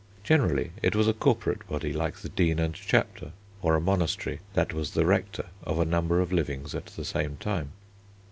Generally it was a corporate body, like the Dean and Chapter, or a monastery, that was the rector of a number of livings at the same time.